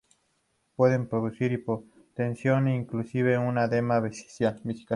Pueden producir hipotensión o inclusive un edema vesical.